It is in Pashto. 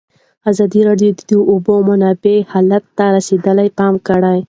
ازادي راډیو د د اوبو منابع حالت ته رسېدلي پام کړی.